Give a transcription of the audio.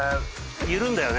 緩んだよね